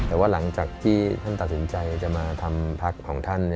แต่ว่าหลังจากที่ท่านตัดสินใจจะมาทำพักของท่าน